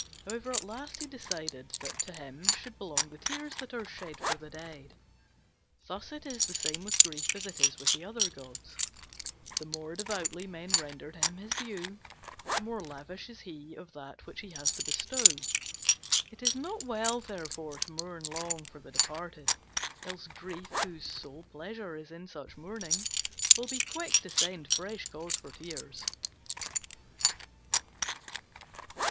However, at last he decided that to him should belong the tears that are shed for the dead. Thus it is the same with Grief as it is with the other gods. The more devoutly men render to him his due, the more lavish is he of that which he has to bestow. It is not well, therefore, to mourn long for the departed; else Grief, whose sole pleasure is in such mourning, will be quick to send fresh cause for tears.